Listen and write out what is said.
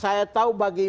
saya tahu bagaimana